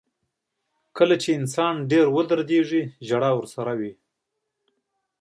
• کله چې انسان ډېر درد احساس کړي، ژړا ورسره وي.